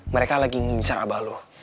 mereka lagi ngincar abah lo